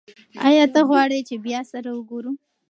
ایا ته غواړې چې بیا سره وګورو؟